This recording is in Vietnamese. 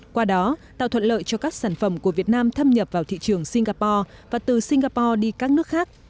qua đó tạo thuận lợi cho các sản phẩm của việt nam thâm nhập vào thị trường singapore và từ singapore đi các nước khác